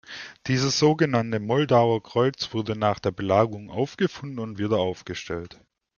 Dieses sogenannte Moldauer Kreuz wurde nach der Belagerung aufgefunden und wieder aufgestellt.